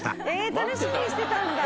楽しみにしてたんだ。